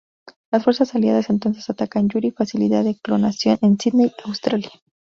Las fuerzas Aliadas entonces atacan Yuri facilidad de clonación en Sídney, Australia.